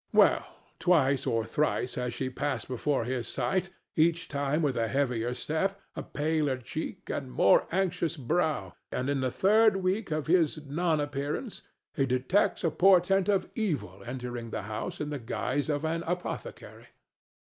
Well, twice or thrice has she passed before his sight, each time with a heavier step, a paler cheek and more anxious brow, and in the third week of his non appearance he detects a portent of evil entering the house in the guise of an apothecary.